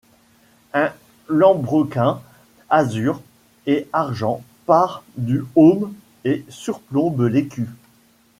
Un lambrequins azur et argent part du heaume et surplombe l'écu.